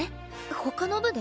他の部で？